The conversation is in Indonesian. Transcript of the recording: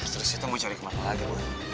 terus itu mau cari kemana lagi bu